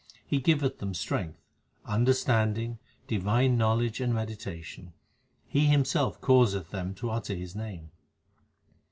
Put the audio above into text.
He giveth them strength, understanding, divine knowledge and meditation; He Himself causeth them to utter His name.